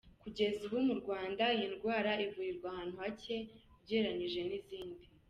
Kugeza ubu mu Rwanda iyi ndwara ivurirwa ahantu hake ugereranyije n’izindi.